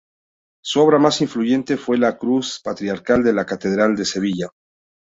Su obra más influyente fue la cruz patriarcal de la catedral de Sevilla.